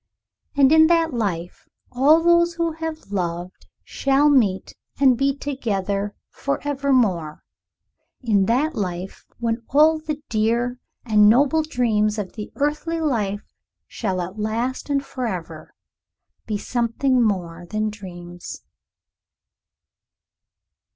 And in that life all those who have loved shall meet and be together forevermore, in that life when all the dear and noble dreams of the earthly life shall at last and forever be something more than dreams."